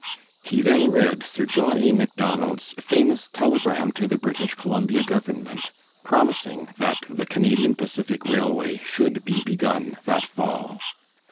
He then read Sir John A. MacDonald's famous telegram to the British Columbia government, promising that the Canadian Pacific Railway should be begun that fall.